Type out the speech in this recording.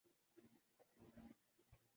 یہی کچھ دوسری عالمی جنگ کے بعد